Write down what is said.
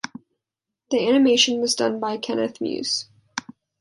The animation was done by Kenneth Muse.